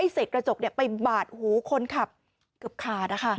เสร็จกระจกไปบาดหูคนขับเกือบขาด